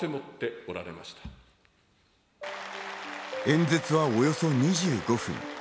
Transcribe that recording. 演説はおよそ２５分。